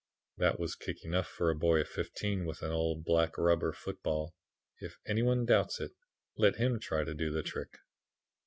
That was kick enough for a boy of fifteen with an old black, rubber football. If anybody doubts it, let him try to do the trick.